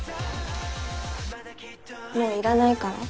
もういらないから？